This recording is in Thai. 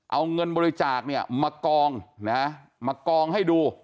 เอาเงินบริจาคเนี่ยมากองนะมากองให้ดู